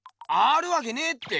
あるわけねえって。